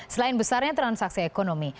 selain besarnya transaksi ekonomi